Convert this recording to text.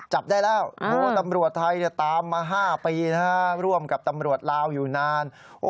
จับได้แล้วตำรวจไทยตามมา๕ปีร่วมกับตำรวจลาวอยู่นาน